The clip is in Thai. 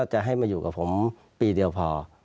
จะให้มาอยู่กับผมปีเดียวพอ